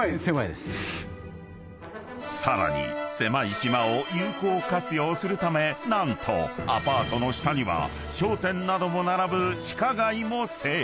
［さらに狭い島を有効活用するため何とアパートの下には商店なども並ぶ地下街も整備］